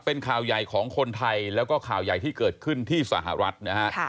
เป็นข่าวใหญ่ของคนไทยแล้วก็ข่าวใหญ่ที่เกิดขึ้นที่สหรัฐนะฮะ